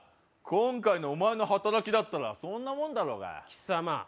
今回のお前の働きだったらそんなもんだろうが貴様